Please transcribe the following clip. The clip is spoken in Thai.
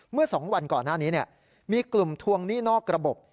เมื่อ๒วันก่อนหน้านี้มีกลุ่มทวงหนี้นอกระบบ